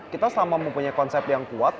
kita selama mempunyai konsep yang kuat